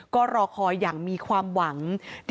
ก็รอคอยอย่างมีความหวัง